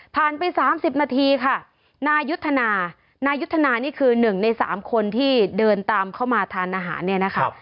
ผ่านไปสามสิบนาทีค่ะนายุทธนานายุทธนานี่คือหนึ่งในสามคนที่เดินตามเข้ามาทานอาหารเนี่ยนะคะ